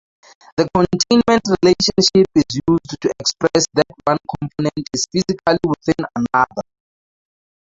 The containment relationship is used to express that one component is physically within another.